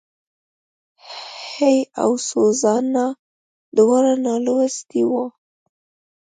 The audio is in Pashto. هېي او سوزانا دواړه نالوستي وو.